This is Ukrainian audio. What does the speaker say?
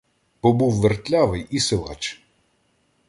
Бо був вертлявий і силач.